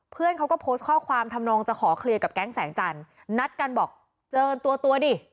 เพื่อนเขาก็โพสต์ข้อความทำนองจะขอเคลียร์กับแก๊งแสงจันทร์นัดกันบอกเจอกันตัวตัวดิ